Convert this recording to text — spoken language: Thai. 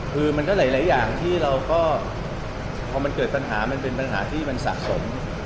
คือมันก็หลายอย่างที่เราก็พอมันเกิดปัญหามันเป็นปัญหาที่มันสะสม